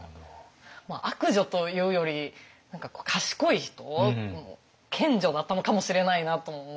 悪女というより賢い人賢女だったのかもしれないなとも思いましたね。